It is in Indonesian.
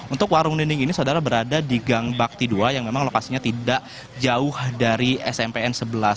untuk warung ninding ini saudara berada di gang bakti dua yang memang lokasinya tidak jauh dari smpn sebelas